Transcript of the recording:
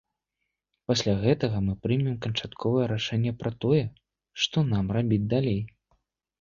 Пасля гэтага мы прымем канчатковае рашэнне пра тое, што нам рабіць далей.